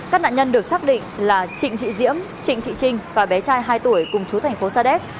các nạn nhân được xác định là trịnh thị diễm trịnh thị trinh và bé trai hai tuổi cùng chú thành phố sa đéc